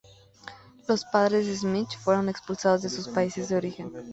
Los padres de Schmidt fueron expulsados de sus países de origen.